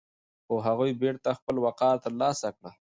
خو هغوی بېرته خپل وقار ترلاسه کړ.